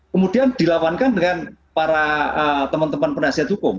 kemudian dilawankan dengan para teman teman penasihat hukum